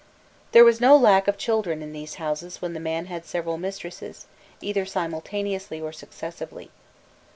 There was no lack of children in these houses when the man had several mistresses, either simultaneously or successively.